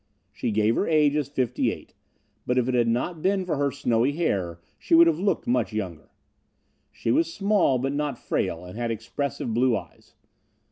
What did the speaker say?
She gave her age as fifty eight, but if it had not been for her snowy hair she would have looked much younger. She was small but not frail, and had expressive blue eyes.